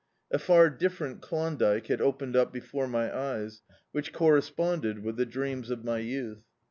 A far different Klondykc had opened up be fore my eyes, which corresponded with the dreams of my youth.